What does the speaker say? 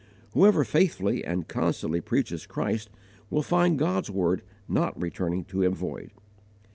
Whoever faithfully and constantly preaches Christ will find God's word not returning to him void.